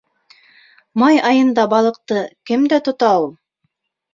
Май айында балыҡты кем дә тота ул...